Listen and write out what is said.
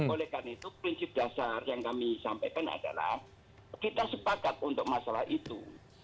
oleh karena itu prinsip dasar yang kami sampaikan adalah kita sepakat untuk masalah itu